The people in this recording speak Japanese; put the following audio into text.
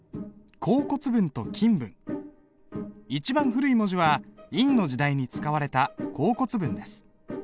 一番古い文字は殷の時代に使われた甲骨文です。